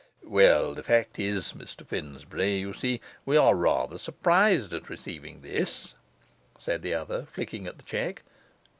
'Well, the fact is, Mr Finsbury, you see we are rather surprised at receiving this,' said the other, flicking at the cheque.